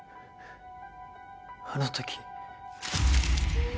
あの時。